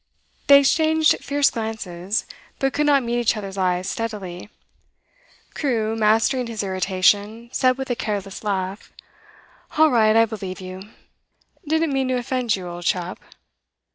They exchanged fierce glances, but could not meet each other's eyes steadily. Crewe, mastering his irritation, said with a careless laugh: 'All right, I believe you. Didn't mean to offend you, old chap.